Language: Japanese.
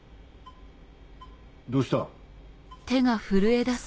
どうした？